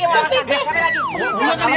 siap siap lagi siap siap lagi